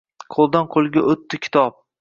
Qoʼldan qoʼlga oʼtdi kitob